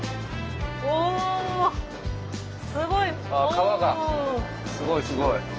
川がすごいすごい。